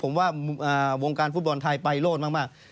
ผมว่าวงการฟุตบอลไทยไปโลดมาก